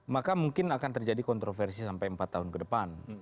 maka mungkin akan terjadi kontroversi sampai empat tahun ke depan